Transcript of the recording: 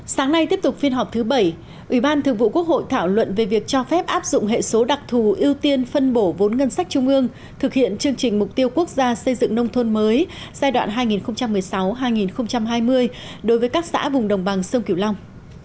sáng nay tiếp tục phiên họp thứ bảy ủy ban thường vụ quốc hội thảo luận về việc cho phép áp dụng hệ số đặc thù ưu tiên phân bổ vốn ngân sách trung ương thực hiện chương trình mục tiêu quốc gia xây dựng nông thôn mới giai đoạn hai nghìn một mươi sáu hai nghìn hai mươi đối với các xã vùng đồng bằng sông kiều long